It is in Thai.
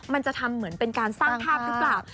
มันจะทำเหมือนเป็นการสร้างภาพหรือเปล่า